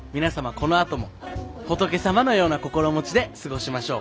このあとも仏様のような心持ちで過ごしましょう。